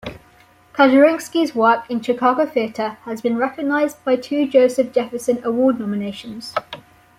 Kazurinsky's work in Chicago theatre has been recognized by two Joseph Jefferson Award nominations.